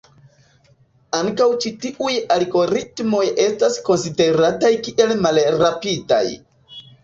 Ankaŭ ĉi tiuj algoritmoj estas konsiderataj kiel malrapidaj.